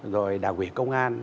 rồi đảng quỷ công an